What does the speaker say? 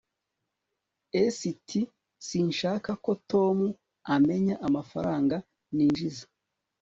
s t sinshaka ko tom amenya amafaranga ninjiza